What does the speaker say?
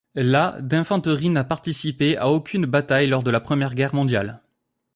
La d'infanterie n'a participé à aucune bataille lors de la Première Guerre mondiale.